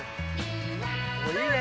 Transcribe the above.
おいいね。